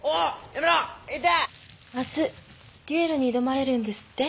明日決闘に挑まれるんですって？